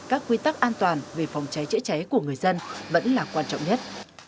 các quy tắc an toàn về phòng cháy chữa cháy của người dân vẫn là quan trọng nhất